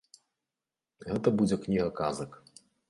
Гэта будзе кніга казак.